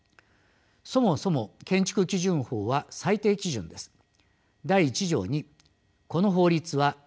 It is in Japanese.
そもそも建築基準法は最低基準です。